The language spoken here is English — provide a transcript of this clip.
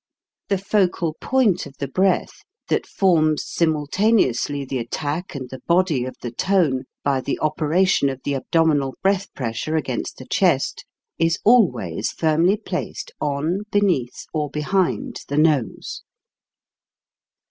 The focal point of the breath, that forms simultaneously DEVELOPMENT AND EQUALIZATION 157 the attack and the body of the tone, by the operation of the abdominal breath pressure against the chest, is always firmly placed on, beneath, or behind the nose.